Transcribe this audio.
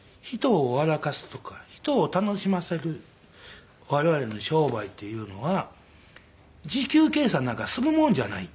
かすとか人を楽しませる我々の商売っていうのは時給計算なんかするもんじゃない」。